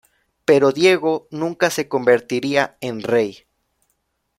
Pero Diego nunca se convertiría en rey.